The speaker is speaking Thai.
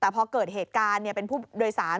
แต่พอเกิดเหตุการณ์เป็นผู้โดยสาร